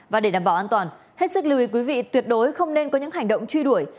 và để đảm bảo an toàn hết sức lưu ý quý vị tuyệt đối không nên có những hành động truy đuổi